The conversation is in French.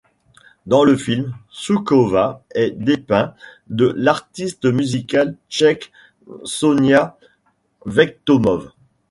Dans le film, Součková est dépeint par l'artiste musicale tchèque Sonja Vectomov.